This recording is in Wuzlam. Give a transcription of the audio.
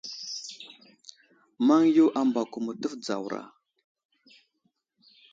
Maŋ yo ambako mətəf dzawra.